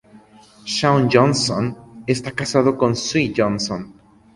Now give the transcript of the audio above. Shaun Johnston está casado con Sue Johnston.